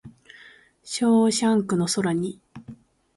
ショーシャンクの空に